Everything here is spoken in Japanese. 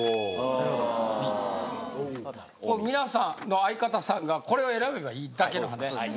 なるほどＢ皆さんの相方さんがこれを選べばいいだけの話です